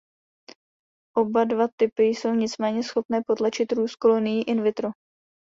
Oba dva typy jsou nicméně schopné potlačit růst kolonií in vitro.